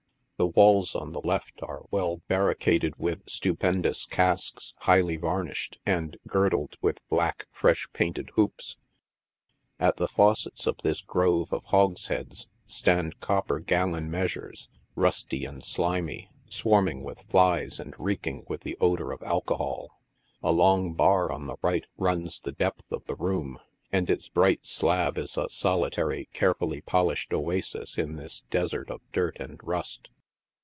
The walls on the left are well barricaded with stupendous casks, highly varnished, and gir dled with black, freshly painted hoops. At the faucets of this grove of hogsheads stand copper gallon measures, rusty and slimy, swarm ing with flies and reeking^ with the odor of alcohol. A long bar on the right runs the depth of the room, and its bright slab is a soli tary, carefully polished oasis in this desert of dirt and rust.